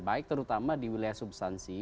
baik terutama di wilayah substansi